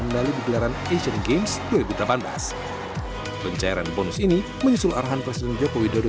medali di gelaran asian games dua ribu delapan belas pencairan bonus ini menyusul arahan presiden joko widodo